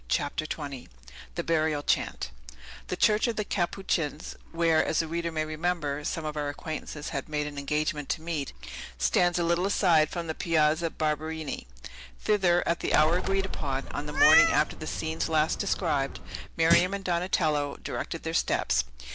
CHAPTER XX THE BURIAL CHANT The Church of the Capuchins (where, as the reader may remember, some of our acquaintances had made an engagement to meet) stands a little aside from the Piazza Barberini. Thither, at the hour agreed upon, on the morning after the scenes last described, Miriam and Donatello directed their steps.